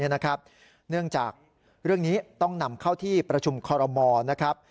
เนื่องจากเรื่องนี้ต้องนำเข้าที่ประชุมคอรมอลนะครับ